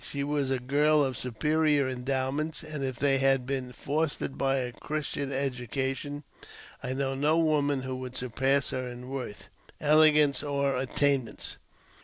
She was a girl of superior endowments, and, if they had been fostered by a Christian education, I know no woman who would surpass her in worth, elegance, or attainments.